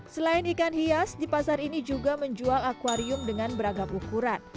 selain ikan hias di pasar ini juga menjual akwarium dengan beragam ukuran